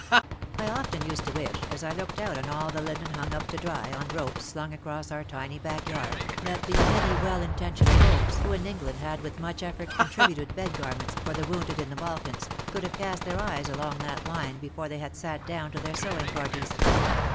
I often used to wish, as I looked out on all the linen hung up to dry on ropes slung across our tiny backyard, that the many well intentioned folks, who in England had with much effort contributed bed garments for "the wounded in the Balkans," could have cast their eyes along that line before they had sat down to their sewing parties.